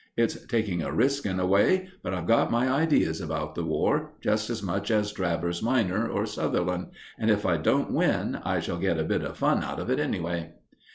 It's taking a risk, in a way, but I've got my ideas about the War, just as much as Travers minor or Sutherland, and, if I don't win, I shall get a bit of fun out of it, anyway."